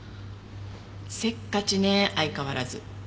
せっかちね相変わらず。